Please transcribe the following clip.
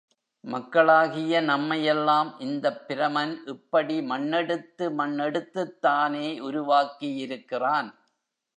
மக்களாகிய நம்மை யெல்லாம் இந்தப் பிரமன் இப்படி மண்ணெடுத்து மண் எடுத்துத்தானே உருவாக்கியிருக்கிறான்!